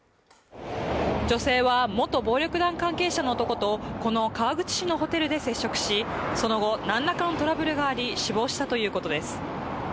女性は元暴力団関係者の男と、この川口市のホテルで接触し、その後何らかのトラブルがあり死亡したということです。